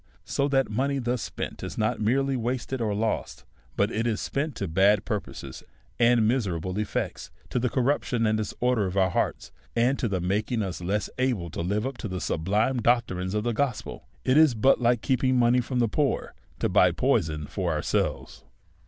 So that money thus spent is not merely wasted or lost, but it is spent to bad purposes and miserable ef fects, to the corruption and disordea' of our hearts, and to the making us less able to live up to the sub lime doctrines of the gospel ; it is but like keeping money from the poor to buy poison for ourselves.